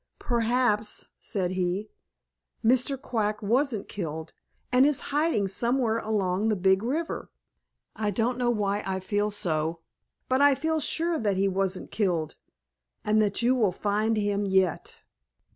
"Perhaps," said he, "Mr. Quack wasn't killed and is hiding somewhere along the Big River. I don't know why I feel so, but I feel sure that he wasn't killed, and that you will find him yet."